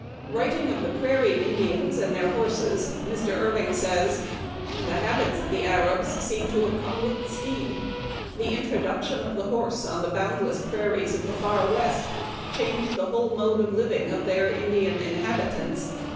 Writing of the prairie Indians and their horses, Mr. Irving says :" The habits of the Arabs seem to have come with the steed. The introduction of the horse on the boundless prai ries of the Far West changed the whole mode of living of their (Indian) inhabitants.